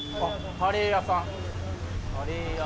カレー屋さん。